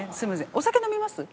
お酒飲みます？